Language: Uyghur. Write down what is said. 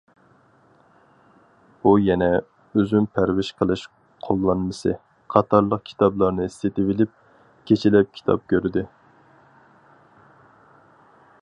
ئۇ يەنە‹‹ ئۈزۈم پەرۋىش قىلىش قوللانمىسى›› قاتارلىق كىتابلارنى سېتىۋېلىپ، كېچىلەپ كىتاب كۆردى.